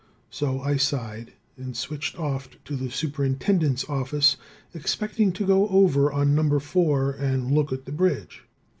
So I sighed and switched off to the superintendent's office, expecting to go over on No. 4 and look at the bridge.